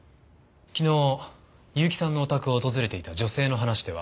昨日結城さんのお宅を訪れていた女性の話では。